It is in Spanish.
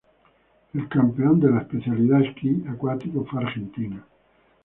El campeón de la especialidad Esquí acuático fue Argentina.